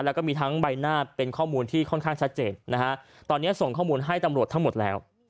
แล้วก็มีทั้งใบหน้าเป็นข้อมูลที่ค่อนข้างชัดเจนนะฮะตอนนี้ส่งข้อมูลให้ตำรวจทั้งหมดแล้ว